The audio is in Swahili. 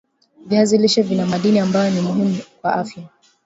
viazi lishe vina madini ambayo ni muhimu kwa afya